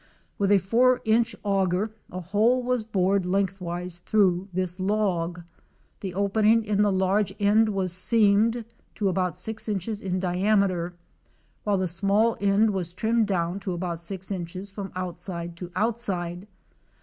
With a four inch augur, a hole was bored lengthwise through this log. The opening in the large end was seamed to about six inches in diameter, while the small end was trimmed down to about six inches from outside to outside.